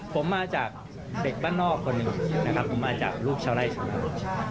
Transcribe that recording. ผมมาจากเด็กบ้านนอกคนหนึ่งนะครับผมมาจากลูกชาวไร่ชาวนา